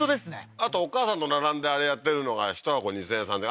あとお母さんと並んであれやってるのが１箱２０００円３０００円